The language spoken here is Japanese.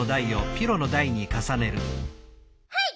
はい！